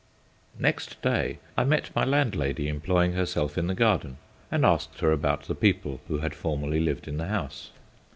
Next day I met my landlady employing herself in the garden, and asked her about the people who had formerly lived in the house.